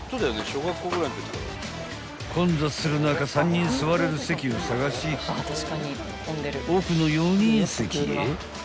［混雑する中３人座れる席を探し奥の４人席へ］